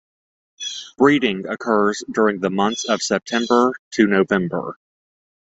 Breeding occurs during the months of September to November.